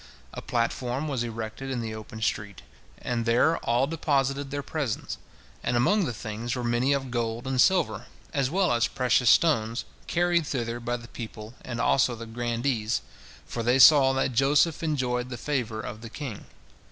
A platform was erected in the open street, and there all deposited their presents, and among the things were many of gold and silver, as well as precious stones, carried thither by the people and also the grandees, for they saw that Joseph enjoyed the favor of the king.